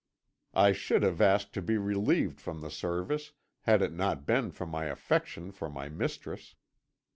I should have asked to be relieved from the service, had it not been for my affection for my mistress.